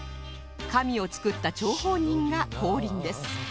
神を作った張本人が降臨です